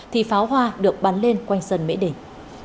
thì pháo hoa được bắn lên quanh sân mỹ đình